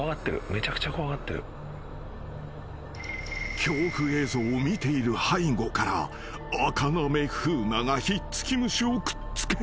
［恐怖映像を見ている背後からあかなめ風磨がひっつき虫をくっつける］